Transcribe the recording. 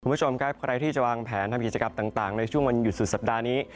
คุณผู้ชมครับใครที่จะวางแผนทำกิจกรรมต่างในช่วงวันหยุดสุดสัปดาห์นี้